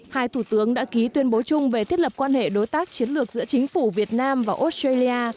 hai thủ tướng đã ký tuyên bố chung về thiết lập quan hệ đối tác chiến lược giữa chính phủ việt nam và australia